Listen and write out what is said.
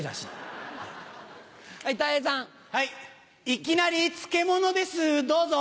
いきなり漬物ですどうぞ！